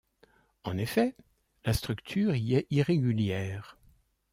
En effet la structure y est irrégulière.